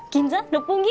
六本木？